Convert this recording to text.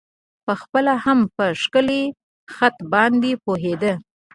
په خپله هم په ښکلی خط باندې پوهېده.